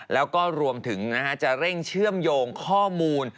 แล้วก็รวมถึงจะเร่งเชื่อมโยงข้อมูล